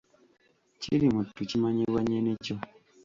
Kirimuttu kimanyibwa nnyini kyo.